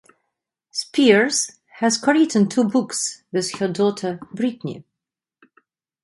Spears has co-written two books with her daughter Britney.